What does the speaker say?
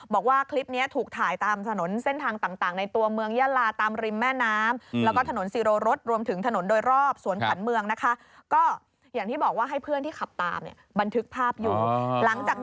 บอกว่าคลิปเนี้ยถูกถ่ายตามถนนเส้นทางต่าง